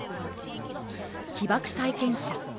被爆体験者